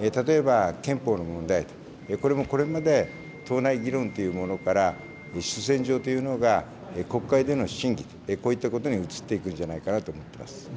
例えば憲法の問題、これも、これまで党内議論というものから、主戦場というのが国会での審議、こういったことに移っていくんじゃないかなと思っています。